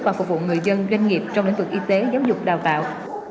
và phục vụ người dân doanh nghiệp trong lĩnh vực y tế giáo dục đào tạo